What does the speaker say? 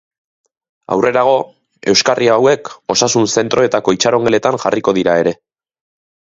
Aurrerago, euskarri hauek osasun-zentroetako itxarongeletan jarriko dira ere.